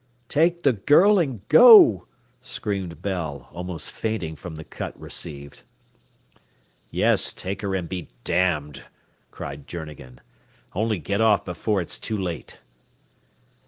"Take the girl and go," screamed Bell, almost fainting from the cut received. "Yes, take her and be damned!" cried Journegan. "Only get off before it's too late."